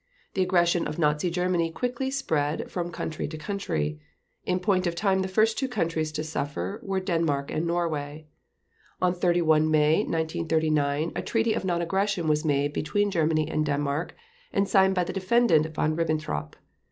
The aggression of Nazi Germany quickly spread from country to country. In point of time the first two countries to suffer were Denmark and Norway. On 31 May 1939 a Treaty of Non Aggression was made between Germany and Denmark, and signed by the Defendant Von Ribbentrop.